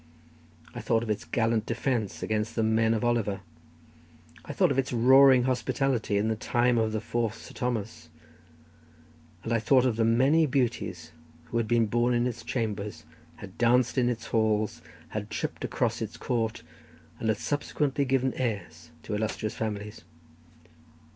I thought of its gallant defence against the men of Oliver; I thought of its roaring hospitality in the time of the fourth Sir Thomas; and I thought of the many beauties who had been born in its chambers, had danced in its halls, had tripped across its court, and had subsequently given heirs to illustrious families.